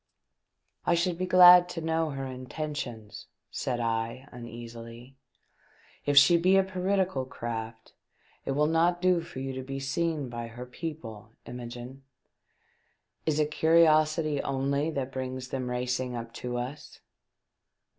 " I should be glad to know her intentions," said I, uneasily. " If she be a piratical craft it will not do for you to be seen by her people, Imogene. Is it curiosity only that brings them racing up to us